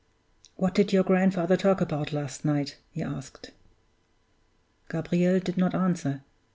"What did your grandfather talk about last night?" he asked. Gabriel did not answer.